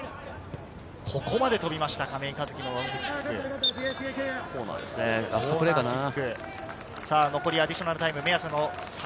ここまで飛びました、亀井一起のロングキック。